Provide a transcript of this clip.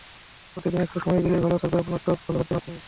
প্রতিদিন একটু সময় দিলেই ভালো থাকবে আপনার ত্বক, ভালো থাকবেন আপনি।